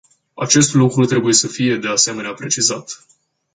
Acest lucru trebuie să fie, de asemenea, precizat.